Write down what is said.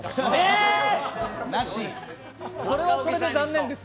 えーー、それはそれで残念です。